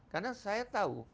karena saya tahu